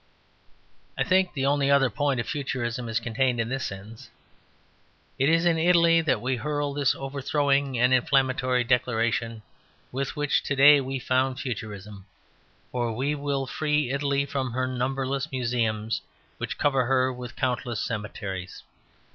I think the only other point of Futurism is contained in this sentence: "It is in Italy that we hurl this overthrowing and inflammatory Declaration, with which to day we found Futurism, for we will free Italy from her numberless museums which cover her with countless cemeteries."